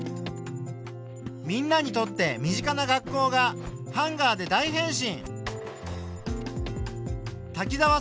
みんなにとって身近な学校がハンガーで大変身！